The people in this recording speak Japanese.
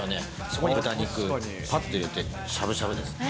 そこに豚肉、ぱっと入れて、しゃぶしゃぶです。